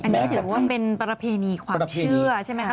อันนี้ถือว่าเป็นประเพณีความเชื่อใช่ไหมคะ